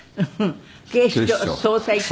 「『警視庁捜査一課』」